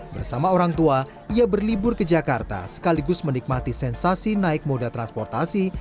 bersama orang tua ia berlibur ke jakarta sekaligus menikmati sensasi naik moda transportasi